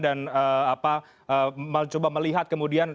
dan coba melihat kemudian